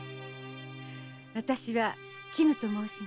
私は「絹」ともうします。